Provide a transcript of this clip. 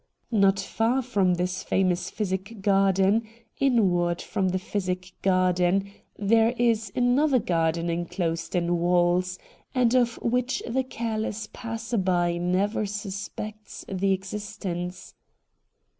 Not far from this famous Physic Garden, inward from the Physic Garden, there is another garden enclosed in walls, and of which the careless passer by never suspects the existence.